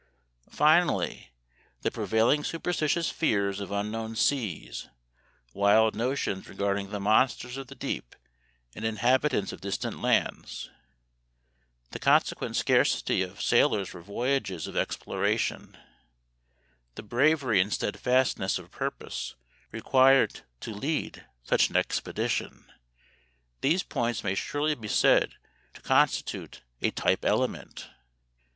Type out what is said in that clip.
Finally, the prevailing superstitious fears of unknown seas, wild notions regarding the monsters of the deep and inhabitants of distant lands, the consequent scarcity of sailors for voyages of exploration, the bravery and steadfastness of purpose required to lead such an expedition, these points may surely be said to constitute a "type element."